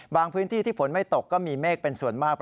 พื้นที่ที่ฝนไม่ตกก็มีเมฆเป็นส่วนมาก